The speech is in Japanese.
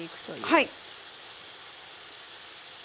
はい。